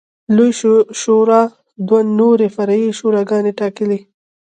لویې شورا دوه نورې فرعي شوراګانې ټاکلې